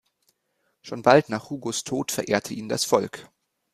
Schon bald nach Hugos Tod verehrte ihn das Volk.